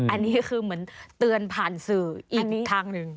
อันนี้คือเหมือนเตือนผ่านสื่ออีกทางหนึ่ง